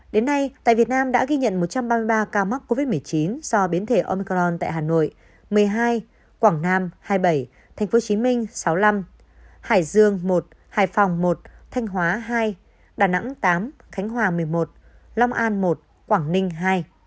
đến nay tại việt nam đã ghi nhận một trăm ba mươi ba ca mắc covid một mươi chín do biến thể omcron tại hà nội một mươi hai quảng nam hai mươi bảy tp hcm sáu mươi năm hải dương một hải phòng một thanh hóa hai đà nẵng tám khánh hòa một mươi một long an một quảng ninh hai